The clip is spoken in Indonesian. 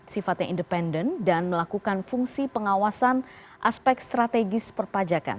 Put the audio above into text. sifatnya independen dan melakukan fungsi pengawasan aspek strategis perpajakan